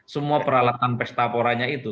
semua peralatan pestaporanya itu